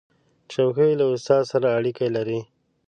چوکۍ له استاد سره اړیکه لري.